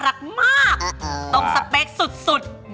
แล้วคุณพูดกับอันนี้ก็ไม่รู้นะผมว่ามันความเป็นส่วนตัวซึ่งกัน